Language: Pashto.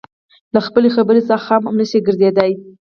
له خپلې خبرې څخه هم نشوى ګرځېدى.